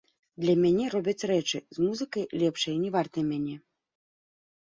Для мяне робяць рэчы, з музыкай лепшай, не вартай мяне.